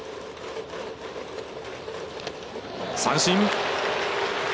三振。